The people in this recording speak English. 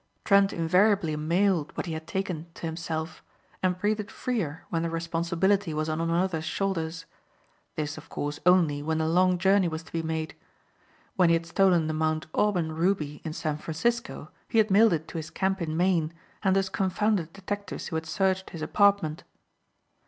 Trent invariably mailed what he had taken to himself and breathed freer when the responsibility was on another's shoulders. This, of course, only when a long journey was to be made. When he had stolen the Mount Aubyn ruby in San Francisco he had mailed it to his camp in Maine and thus confounded detectives who had searched his apartment.